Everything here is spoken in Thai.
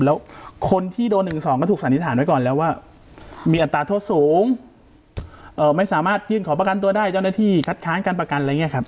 แล้วคนที่โดน๑๒ก็ถูกสันนิษฐานไว้ก่อนแล้วว่ามีอัตราโทษสูงไม่สามารถยื่นขอประกันตัวได้เจ้าหน้าที่คัดค้านการประกันอะไรอย่างนี้ครับ